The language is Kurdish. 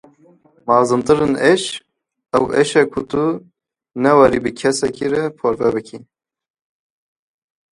Mezintirîn êş ew êş e ku tu newêrî bi kesekî re parve bikî.